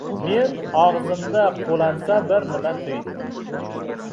Men og‘zimda qo‘lansa bir nima tuydim.